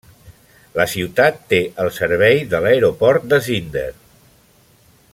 La ciutat té el servei de l'aeroport de Zinder.